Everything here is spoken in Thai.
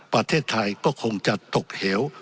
ประเทศไทยก็คงจะตกเหว